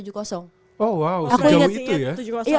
oh wow sejauh itu ya